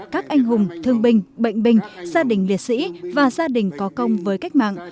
các anh hùng thương binh bệnh binh gia đình liệt sĩ và gia đình có công với cách mạng